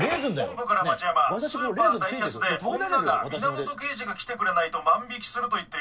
本部から町山「スーパー大安」で女が「源刑事が来てくれないと万引する」と言っている。